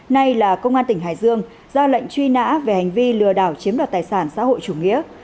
nay là công an tỉnh hải dương ra lệnh truy nã về hành vi lừa đảo chiếm đoạt tài sản xã hội chủ nghĩa